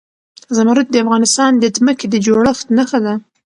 زمرد د افغانستان د ځمکې د جوړښت نښه ده.